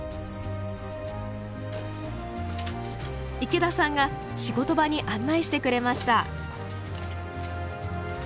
池田さんが仕事場に案内してくれました。